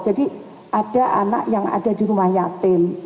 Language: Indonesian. jadi ada anak yang ada di rumah yatim